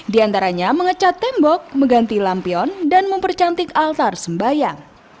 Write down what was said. di antaranya mengecat tembok mengganti lampion dan mempercantik altar sembayang